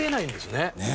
ねえ。